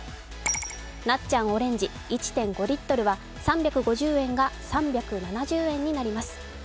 なっちゃんオレンジ１．５リットルは３５０円が３７０円になります。